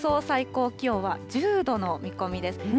最高気温は１０度の見込みです。